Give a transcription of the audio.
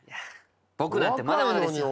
僕なんてまだまだですよ。